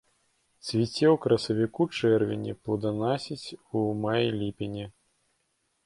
Цвіце ў красавіку-чэрвені, плоданасіць у маі-ліпені.